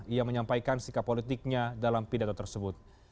ia menyampaikan sikap politiknya dalam pidato tersebut